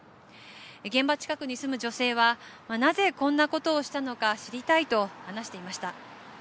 現場近くに住む女性はなぜ、こんなことをしたのか知りたいと話していました。